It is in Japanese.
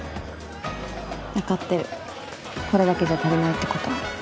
わかってるこれだけじゃ足りないってことは。